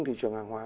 thị trường hàng hóa